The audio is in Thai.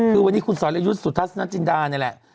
คือวันนี้คุณสรยุทธ์สุทัศนจินดานี่แหละ